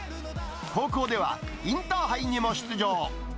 高校ではインターハイにも出場。